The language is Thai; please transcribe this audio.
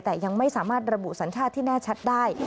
แต่ยังไม่สามารถระบุสัญชาติที่แน่ชัดได้